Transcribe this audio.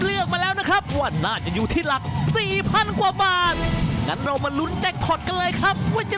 ยืนยันมาแล้วนะคะ